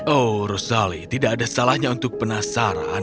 oh rosali tidak ada salahnya untuk penasaran